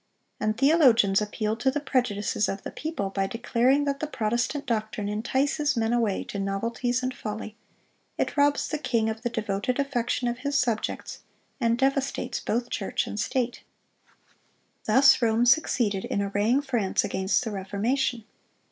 (410) And theologians appealed to the prejudices of the people by declaring that the Protestant doctrine "entices men away to novelties and folly; it robs the king of the devoted affection of his subjects, and devastates both church and state." Thus Rome succeeded in arraying France against the Reformation.